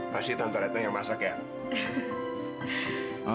pasti tante retong yang masak ya